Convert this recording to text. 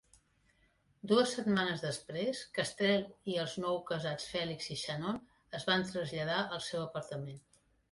Dues setmanes després, Kestrel i els noucasats Felix i Shannon es van traslladar al seu apartament.